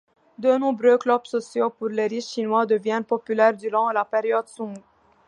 De nombreux clubs sociaux pour les riches Chinois deviennent populaires durant la période Song.